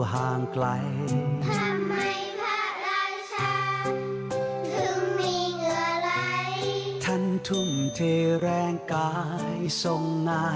ท่านอยากจะส่งเห็นเมืองไทยได้ทุกที